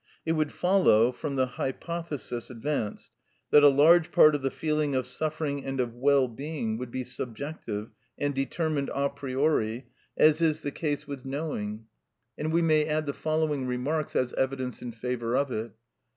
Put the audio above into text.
It would follow, from the hypothesis advanced, that a large part of the feeling of suffering and of well being would be subjective and determined a priori, as is the case with knowing; and we may add the following remarks as evidence in favour of it.